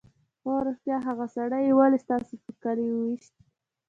_هو رښتيا! هغه سړی يې ولې ستاسو په کلي کې وويشت؟